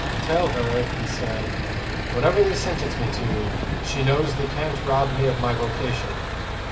'Tell her,' he said, 'whatever they sentence me to, she knows they can't rob me of my vocation.